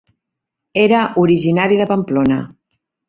Era originari de Pamplona.